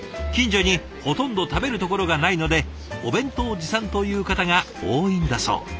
近所にほとんど食べるところがないのでお弁当持参という方が多いんだそう。